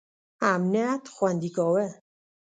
امنیت خوندي کاوه.